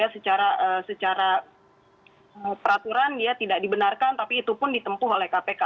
secara peraturan dia tidak dibenarkan tapi itu pun ditempuh oleh kpk